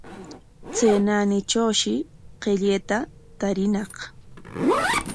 Chay naanitrawshi qillayta tariñaq.